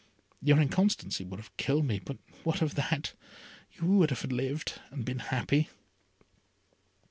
Your inconstancy would have killed me; but what of that, you would have lived, and been happy!"